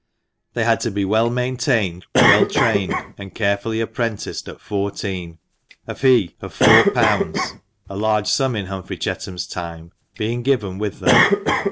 They had to be well maintained, well trained, and carefully apprenticed at fourteen, a fee of four pounds (a large sum in Humphrey Chetham's time) being given with them.